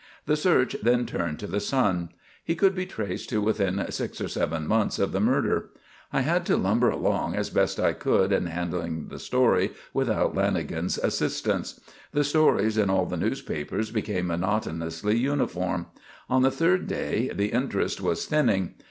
The search then turned to the son. He could be traced to within six or seven months of the murder. I had to lumber along as best I could in handling the story without Lanagan's assistance. The stories in all of the papers became monotonously uniform. On the third day the interest was thinning.